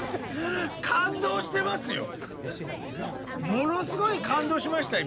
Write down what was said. ものすごい感動しましたよ